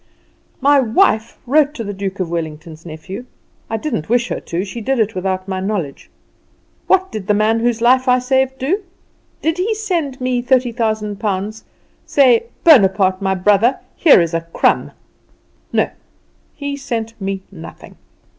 "My wife wrote to the Duke of Wellington's nephew; I didn't wish her to; she did it without my knowledge. "What did the man whose life I saved do? Did he send me thirty thousand pounds? say, 'Bonaparte, my brother, here is a crumb?' No; he sent me nothing.